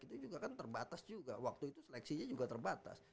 itu juga kan terbatas juga waktu itu seleksinya juga terbatas